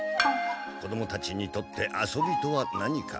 子どもたちにとって遊びとは何か。